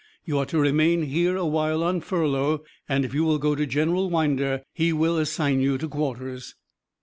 You are to remain here a while on furlough, and if you will go to General Winder he will assign you to quarters."